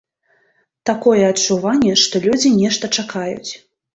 Такое адчуванне, што людзі нешта чакаюць.